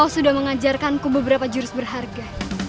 kau sudah mengajarkanku beberapa jurus berharga